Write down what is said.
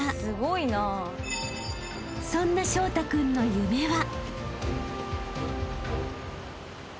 ［そんな彰太君の夢は］